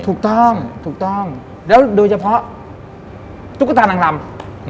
ถูกต้องแล้วโดยเฉพาะตุ๊กตานางรำ